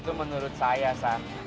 itu menurut saya san